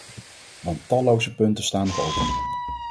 Want talloze punten staan nog open.